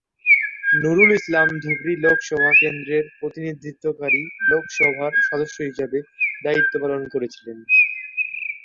নুরুল ইসলাম ধুবড়ী লোকসভা কেন্দ্রের প্রতিনিধিত্বকারী লোকসভার সদস্য হিসাবে দায়িত্ব পালন করেছিলেন।